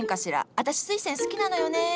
私スイセン好きなのよね。